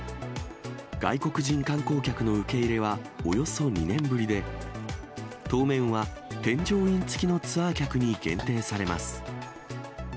外国人観光客の受け入れはおよそ２年ぶりで、当面は添乗員付きのツアー客に限定されます。